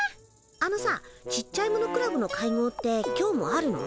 あのさちっちゃいものクラブの会合って今日もあるの？